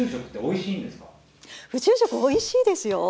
宇宙食おいしいですよ！